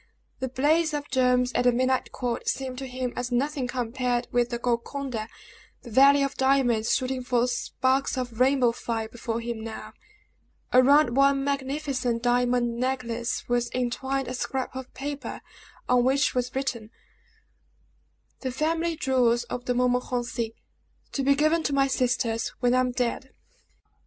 The blaze of gems at the midnight court seemed to him as nothing compared with the Golconda, the Valley of Diamonds shooting forth sparks of rainbow fire before him now. Around one magnificent diamond necklace was entwined a scrap of paper, on which was written: "The family jewels of the Montmorencis. To be given to my sisters when I am dead."